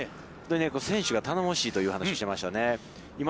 本当に選手が頼もしいという話をしていましたね。